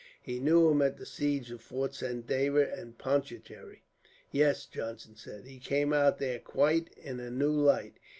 He knew him at the siege of Fort Saint David, and Pondicherry." "Yes," Johnson said. "He came out there quite in a new light.